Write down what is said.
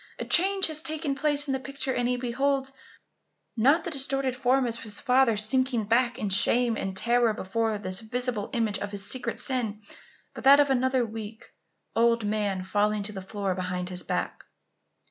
a change has taken place in the picture and he beholds, not the distorted form of his father sinking back in shame and terror before this visible image of his secret sin, but that of another weak, old man falling to the floor behind his back!